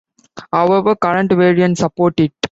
However, current variants support it.